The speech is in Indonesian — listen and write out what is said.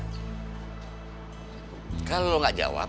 hai kalau nggak jawab